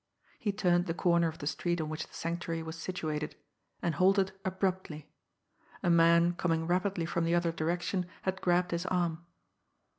He turned the corner of the street on which the Sanctuary was situated and halted abruptly. A man coming rapidly from the other direction had grabbed his arm.